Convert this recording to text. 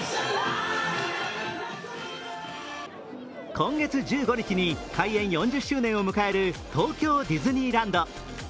今月１５日に開園４０周年を迎える東京ディズニーランド。